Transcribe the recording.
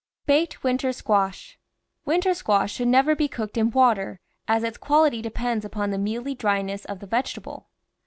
BAKED WINTER SQUASH Winter squash should never be cooked in water, as its quality depends upon the mealy dryness of the vegetable.